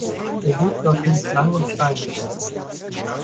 Der Weg dorthin ist lang und steinig.